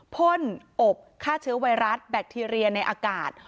พ่นอบฆ่าเชื้อไวรัสแบคทีเรียในอากาศ